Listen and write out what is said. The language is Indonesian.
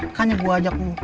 akannya gua ajak lu